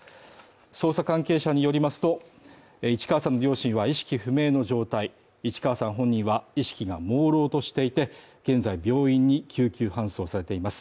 捜査関係者によりますと市川さんの両親は意識不明の状態、市川さん本人は意識がもうろうとしていて、現在病院に救急搬送されています。